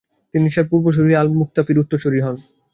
তিনি তার পূর্বসূরি আল মুকতাফির উত্তরসূরি হন।